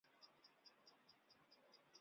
此事故导致旧恩施机场关闭停航。